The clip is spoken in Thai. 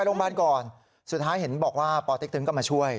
โรงพยาบาลก่อนสุดท้ายเห็นบอกว่าปเต็กตึงก็มาช่วย